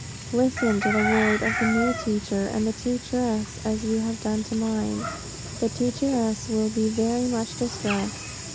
Listen to the word of the new teacher and the teacheress as you have done to mine. The teacheress will be very much distressed.